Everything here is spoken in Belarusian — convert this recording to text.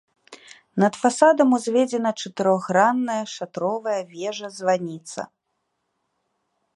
Над фасадам узведзена чатырохгранная шатровая вежа-званіца.